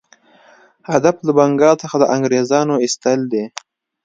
هدف له بنګال څخه د انګرېزانو ایستل دي.